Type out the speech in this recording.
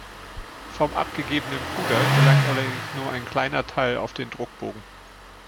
Vom abgegebenen Puder gelangt allerdings nur ein kleiner Teil auf den Druckbogen.